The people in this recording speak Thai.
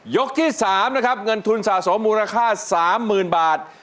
ที่๓นะครับเงินทุนสะสมมูลค่า๓๐๐๐บาท